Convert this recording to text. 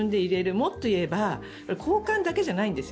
もっといえば交換だけじゃないんですよ。